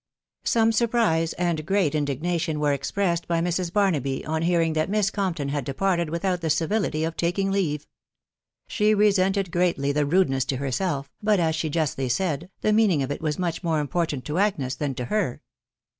Some surprise and great indignation were expressed by Mrs. Barnaby on hearing that Miss Compton had departed without the civility of taking leave. She resented greatly the rudeness to herself, but, as she justly said, the meaning of it was much more important to Agnes than to her.